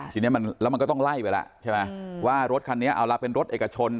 ทีนี้มันแล้วมันก็ต้องไล่ไปแล้วใช่ไหมว่ารถคันนี้เอาละเป็นรถเอกชน